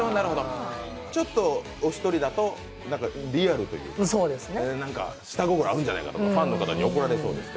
ちょっとお一人だとリアルというか下心あるんじゃないかとか、ファンの方に怒られそうですが。